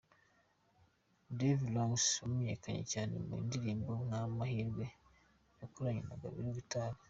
Davy Ranks yamenyekanye cyane mu indirimbo nka Amahirwe yakoranye na Gabiro guitar.